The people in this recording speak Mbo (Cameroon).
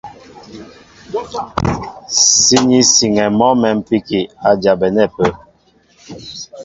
Síní siŋɛ mɔ́ mɛ̌mpíki a jabɛnɛ́ ápə́.